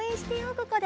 ここで。